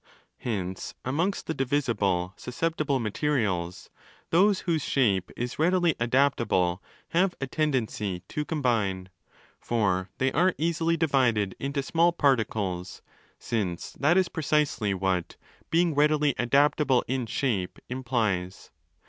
328" Hence, amongst the divisible susceptible materials, those whose shape is readily adaptable have a tendency to com bine: for they are easily divided into small particles, since that is precisely what 'being readily adaptable in shape' implies.